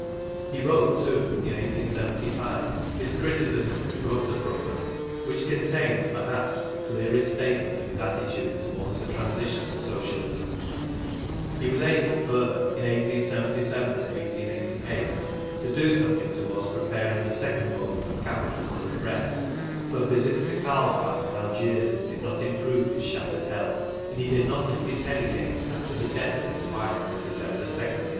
He wrote, too, in 1875, his Criticism of the Gotha Frogramme, which contains, perhaps, the clearest statement of his attitude towards the transition to Socialism. He was able, further, in 1877 8, to do something towards preparing the second volume of Capital for the press. But visits to Karlsbad and Algiers did not improve his shattered health ; and he did not lift his head again after the death of his wife on December 2nd, 1881.